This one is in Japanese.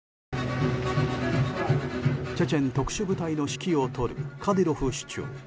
チェチェン特殊部隊の指揮を執るカディロフ首長。